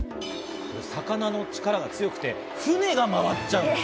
魚の力が強くて船が回っちゃうんです。